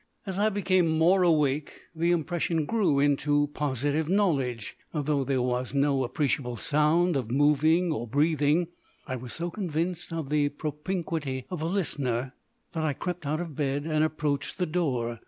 As I became more awake the impression grew into positive knowledge. Though there was no appreciable sound of moving or breathing, I was so convinced of the propinquity of a listener that I crept out of bed and approached the door.